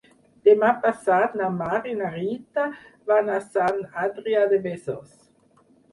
Demà passat na Mar i na Rita van a Sant Adrià de Besòs.